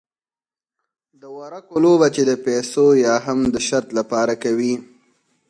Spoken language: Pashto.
د ورقو لوبه چې د پیسو یا هم د شرط لپاره کوي.